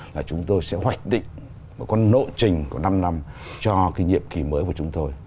là chúng tôi sẽ hoạch định một con nộ trình của năm năm cho cái nhiệm kỳ mới của chúng tôi